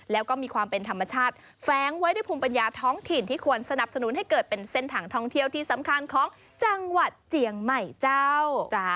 แล้วก็มีความเป็นธรรมชาติแฟ้งไว้ด้วยภูมิปัญญาท้องถิ่นที่ควรสนับสนุนให้เกิดเป็นเส้นทางท่องเที่ยวที่สำคัญของจังหวัดเจียงใหม่เจ้า